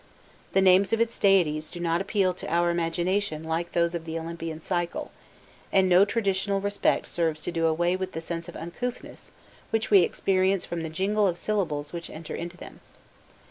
The names of its deities do not appeal to our imagination like those of the Olympian cycle, and no traditional respect serves to do away with the sense of uncouthness which we experience from the jingle of syllables which enter into them.